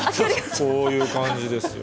こういう感じですよ。